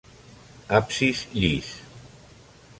Absis llis.